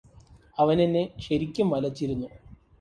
അവനെന്നെ ശരിക്കും വലച്ചിരിക്കുന്നു